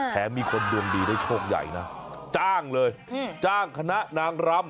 มีคนดวงดีได้โชคใหญ่นะจ้างเลยจ้างคณะนางรำ